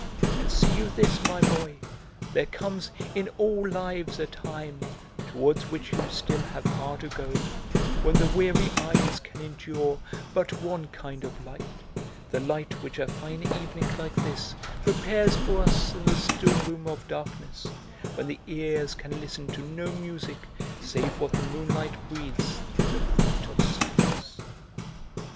And see you this, my boy, there comes in all lives a time, towards which you still have far to go, when the weary eyes can endure but one kind of light, the light which a fine evening like this prepares for us in the stillroom of darkness, when the ears can listen to no music save what the moonlight breathes through the flute of silence."